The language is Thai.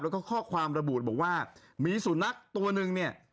แล้วก็ข้อความระบุบอกว่ามีสุนัขตัวหนึ่งเนี่ย